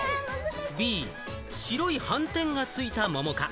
Ｂ・白い斑点がついた桃か？